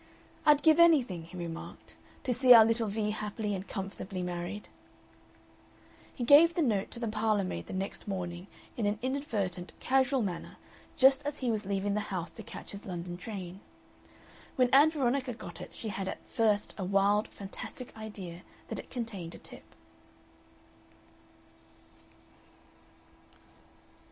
"I'd give anything," he remarked, "to see our little Vee happily and comfortably married." He gave the note to the parlormaid the next morning in an inadvertent, casual manner just as he was leaving the house to catch his London train. When Ann Veronica got it she had at first a wild, fantastic idea that it contained a tip.